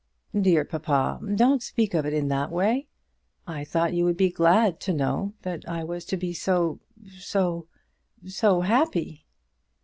"Dear papa; don't speak of it in that way. I thought you would be glad to know that I was to be so so so happy!"